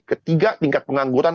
lebih tinggi ketiga tingkat pengangguran